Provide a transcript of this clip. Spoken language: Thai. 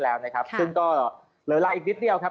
แล้วนะครับซึ่งก็เหลือเวลาอีกนิดเดียวครับ